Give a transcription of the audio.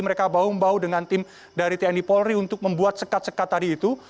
mereka bahu bau dengan tim dari tni polri untuk membuat sekat sekat tadi itu